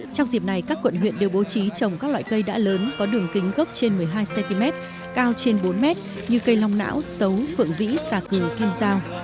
trong dịp này các quận huyện đều bố trí trồng các loại cây đã lớn có đường kính gốc trên một mươi hai cm cao trên bốn m như cây long não sấu phượng vĩ xà cừ kim giao